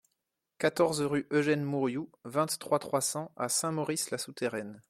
quatorze rue Eugène Mourioux, vingt-trois, trois cents à Saint-Maurice-la-Souterraine